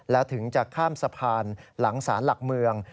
แล้วถึงจะข้ามสะพานหลังศาลหลักเมือง